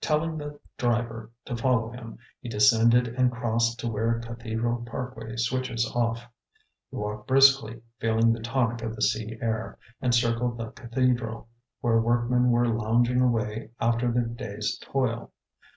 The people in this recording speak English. Telling the driver to follow him, he descended and crossed to where Cathedral Parkway switches off. He walked briskly, feeling the tonic of the sea air, and circled the cathedral, where workmen were lounging away after their day's toil.